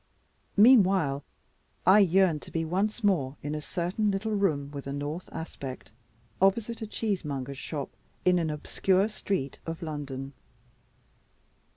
Meanwhile I yearned to be once more in a certain little room with a north aspect, opposite a cheesemonger's shop in an obscure street of London.